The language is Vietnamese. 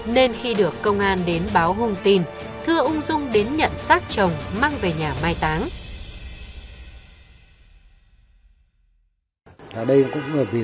thưa đình minh rằng cơ quan chức năng không thể phát hiện ra hành động giết người của mình